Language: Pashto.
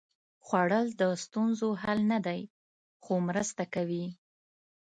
خوړل د ستونزو حل نه دی، خو مرسته کوي